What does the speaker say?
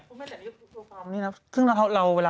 คืออ๋อไม่แต่จะยุ่งความนี้แหละ